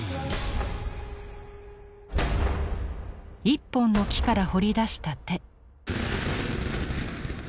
一本の木から彫り出した手。